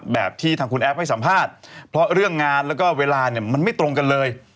แบบที่ทางคุณแอฟให้สัมภาษณ์เพราะเรื่องงานแล้วก็เวลาเนี่ยมันไม่ตรงกันเลย